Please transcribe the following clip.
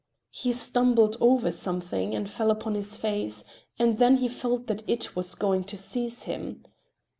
He stumbled over something and fell upon his face, and then he felt that IT was going to seize him.